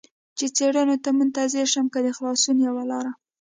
چې څېړنو ته منتظر شم، که د خلاصون یوه لار.